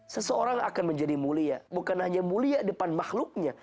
seseorang akan menjadi mulia bukan hanya mulia depan makhluknya